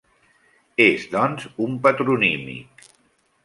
És, doncs, un patronímic.